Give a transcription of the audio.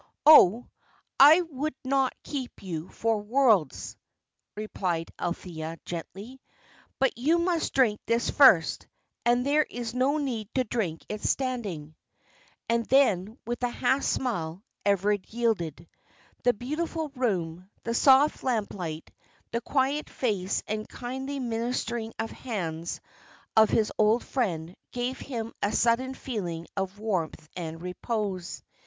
"Oh, I would not keep you for worlds," replied Althea, gently. "But you must drink this first; and there is no need to drink it standing." And then, with a half smile, Everard yielded. The beautiful room, the soft lamplight, the quiet face and kindly ministering hands of his old friend, gave him a sudden feeling of warmth and repose.